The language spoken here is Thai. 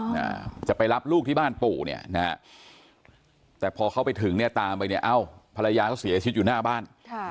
เขาจะไปรับลูกที่บ้านปู่แต่พอเขาไปถึงตามไปเอ้าภรรยาเขาเสียชีวิตอยู่หน้าบ้าน